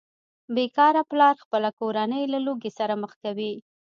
بې کاره پلار خپله کورنۍ له لوږې سره مخ کوي